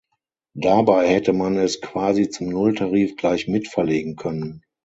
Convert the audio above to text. Dabei hätte man es quasi zum Nulltarif gleich mitverlegen können.